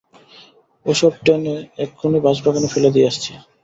ও সব টেনে এক্ষুনি বাঁশবাগানে ফেলে দিয়ে আসচি।